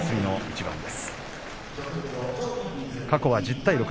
過去１０対６。